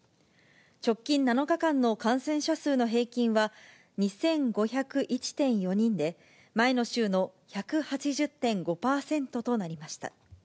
直近７日間の感染者数の平均は、２５０１．４人で、前の週の１８０．５％となりました。